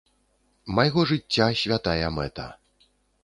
Майго жыцця святая мэта.